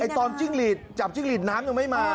ตอนจิ้งหลีดจับจิ้งหลีดน้ำยังไม่มา